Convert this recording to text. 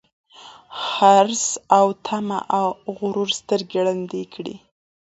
حرص او تمه او غرور سترګي ړندې کړي